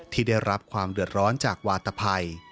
ที่ได้รับความเดือดร้อนจากวาตภัย